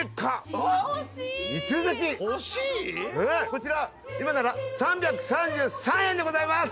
こちら今なら３３３円でございます。